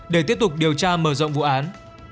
để tiếp tục điều tra mở rộng vụ án